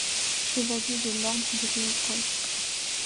Chevalier de l'Ordre de Léopold.